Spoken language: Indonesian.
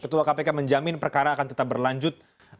ketua kpk menjamin perkara akan tetap berlanjut